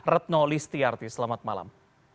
retno listiarti selamat malam